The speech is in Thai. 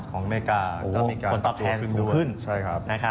ของอเมริกาก็มีการปรับตัวขึ้นด้วย